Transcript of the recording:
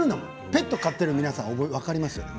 ペットを飼っている皆さん分かりますよね